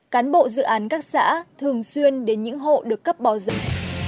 cán bộ dự án các xã thường xuyên đến những hộ được cấp bò rừng